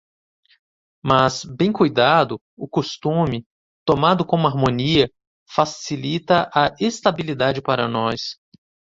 Mas, bem cuidado, o costume, tomado como harmonia, facilita a estabilidade para nós.